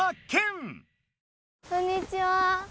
こんにちは。